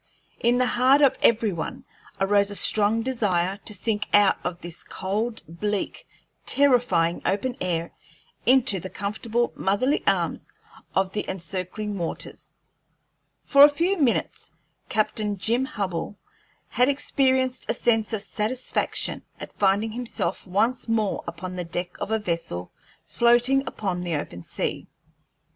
In the heart of every one arose a strong desire to sink out of this cold, bleak, terrifying open air into the comfortable motherly arms of the encircling waters. For a few minutes Captain Jim Hubbell had experienced a sense of satisfaction at finding himself once more upon the deck of a vessel floating upon the open sea.